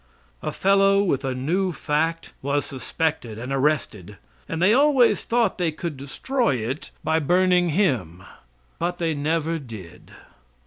A fellow with a new fact was suspected and arrested, and they always thought they could destroy it by burning him, but they never did.